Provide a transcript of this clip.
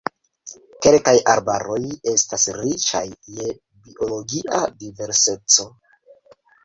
Kelkaj arbaroj estas riĉaj je biologia diverseco.